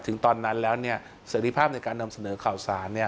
ถึงตอนนั้นแล้วเสร็จภาพในการนำเสนอข่าวสาร